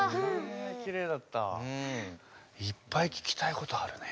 いっぱい聞きたいことあるね。